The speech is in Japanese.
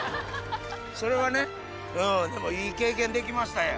それはね、うん、でも、いい経験できましたよ。